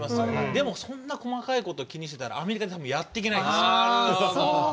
でも細かいことを気にしていたらアメリカでやっていけないです。